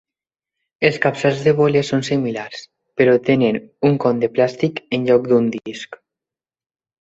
Els capçals de boles són similars, però tenen un con de plàstic en lloc d'un disc.